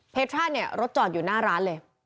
ท่าเนี่ยรถจอดอยู่หน้าร้านเลย